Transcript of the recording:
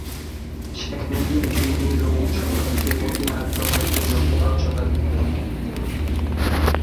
সেখানে গিয়ে তিনি রোম সম্রাটকে মদীনা আক্রমণের জন্য প্ররোচনা দিতে থাকেন।